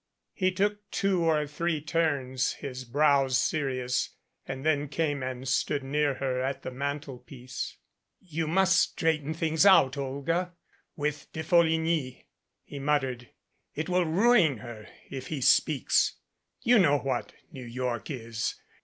He took two or three turns, his brows serious, and then came and stood near her at the mantelpiece. "You must straighten things out, Olga with De Fol ligny," he muttered. "It will ruin her, if he speaks you know what New York is.